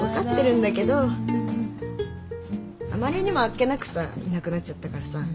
あまりにもあっけなくさいなくなっちゃったからさ。